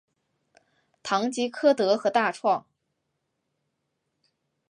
唐吉柯德和大创